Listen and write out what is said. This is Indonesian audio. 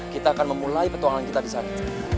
kita akan memulai petualangan kita disana